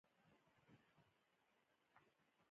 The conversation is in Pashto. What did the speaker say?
کیمیاوي مواد کیمیاوي محرک دی.